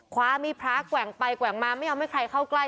คว้ามีพระแกว่งไปแกว่งมาไม่ยอมให้ใครเข้าใกล้